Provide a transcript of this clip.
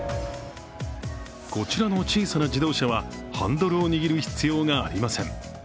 こちらの小さな自動車はハンドルを握る必要がありません。